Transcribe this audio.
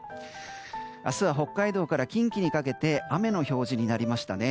明日は北海道から近畿にかけて雨の表示になりましたね。